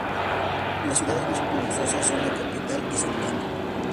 Las ciudades más populosas son la capital y Santana.